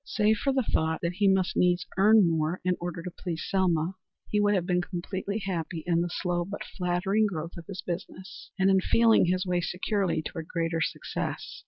Save for the thought that he must needs earn more in order to please Selma, he would have been completely happy in the slow but flattering growth of his business, and in feeling his way securely toward greater success.